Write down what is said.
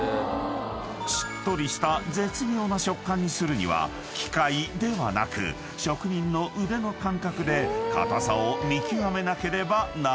［しっとりした絶妙な食感にするには機械ではなく職人の腕の感覚で硬さを見極めなければならない］